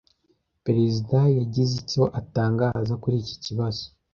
Perezida yagize icyo atangaza kuri iki kibazo.